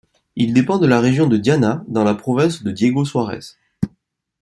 Il dépend de la région de Diana, dans la province de Diego-Suarez.